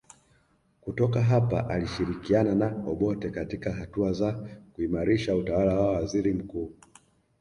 Kutoka hapa alishirikiana na Obote katika hatua za kuimarisha utawala wa waziri mkuu